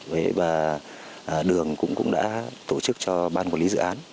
và đường cũng đã tổ chức cho ban quản lý dự án